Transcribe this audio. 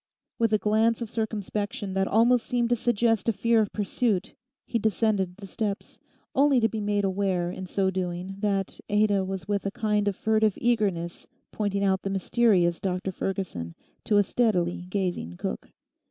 With a glance of circumspection that almost seemed to suggest a fear of pursuit, he descended the steps, only to be made aware in so doing that Ada was with a kind of furtive eagerness pointing out the mysterious Dr Ferguson to a steadily gazing cook.